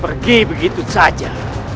pergi begitu saja